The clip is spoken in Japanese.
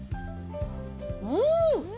うん！